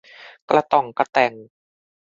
กระต่องกระแต่ง